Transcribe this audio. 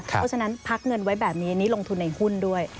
เพราะฉะนั้นพักเงินไว้แบบนี้นี่ลงทุนในหุ้นด้วย